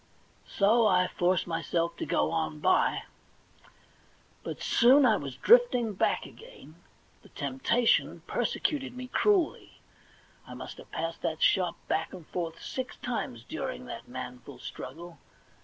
So I forced myself to go on by. But soon I was drifting back again. The temptation persecuted me cruelly. I must have passed that shop back and forth six times during that manful struggle.